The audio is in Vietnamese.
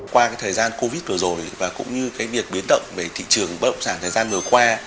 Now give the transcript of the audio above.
qua cái thời gian covid vừa rồi và cũng như cái việc biến động về thị trường bất động sản thời gian vừa qua